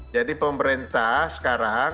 jadi pemerintah sekarang